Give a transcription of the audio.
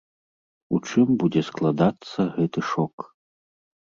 У чым будзе складацца гэты шок?